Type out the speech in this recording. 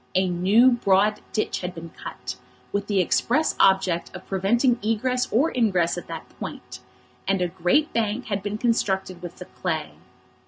A new broad ditch had been cut, with the express object of preventing egress or ingress at that point; and a great bank had been constructed with the clay.